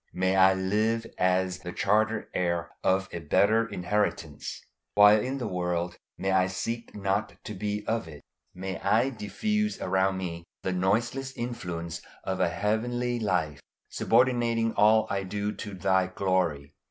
May I live as the chartered heir of a better inheritance; while in the world, may I seek not to be of it. May I diffuse around me the noiseless influence of a heavenly life, subordinating all I do to Thy glory.